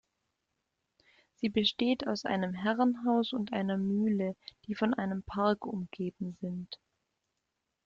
Sie besteht aus einem Herrenhaus und einer Mühle, die von einem Park umgeben sind.